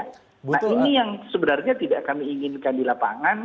nah ini yang sebenarnya tidak kami inginkan di lapangan